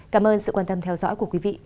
cảm ơn sự quan tâm theo dõi của quý vị